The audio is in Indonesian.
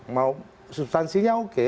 mau substansinya oke